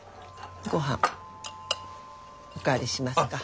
ごはんお代わりしますか？